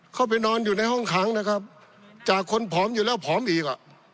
เข้าไปนอนอยู่ในห้องขังนะครับจากคนผอมอยู่แล้วผอมอีกอ่ะ